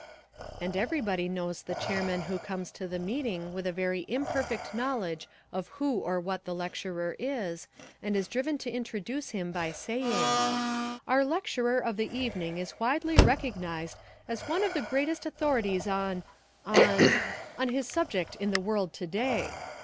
And everybody knows the chairman who comes to the meeting with a very imperfect knowledge of who or what the lecturer is, and is driven to introduce him by saying: "Our lecturer of the evening is widely recognised as one of the greatest authorities on; on, on his subject in the world to day.